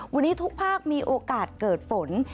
วันนี้ทุกภาคมีโอกาสเกิดฝน